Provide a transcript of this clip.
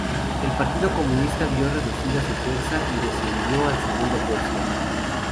El Partido Comunista vio muy reducida su fuerza y descendió al segundo puesto.